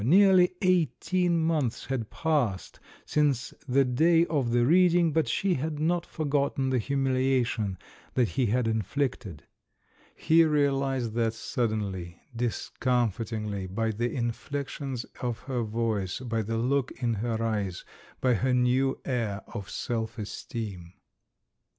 Nearly eighteen months had passed since the day of the reading, but she had not forgotten the humiliation that he had inflicted. He realised that suddenly, discom fitingly, by the inflexions of her voice, by the look in her eyes, by her new air of self esteem.